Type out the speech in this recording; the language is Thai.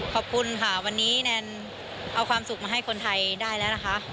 ขอบคุณค่ะวันนี้แนนเอาความสุขมาให้คนไทยได้แล้วนะคะ